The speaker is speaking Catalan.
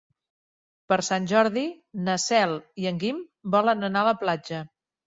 Per Sant Jordi na Cel i en Guim volen anar a la platja.